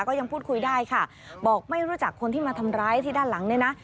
ก็ยังพูดคุยได้ค่ะบอกไม่รู้จักคนที่มาทำร้ายที่ด้านหลังเนี่ยนะ